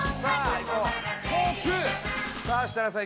さあ設楽さん